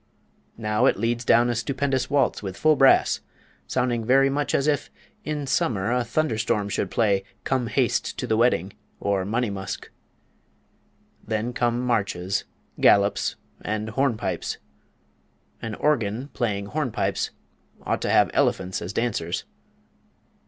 Now it leads down a stupendous waltz with full brass, sounding very much as if, in summer, a thunderstorm should play, 'Come, Haste to the Wedding,' or 'Moneymusk.' Then come marches, galops, and hornpipes. An organ playing hornpipes ought to have elephants as dancers.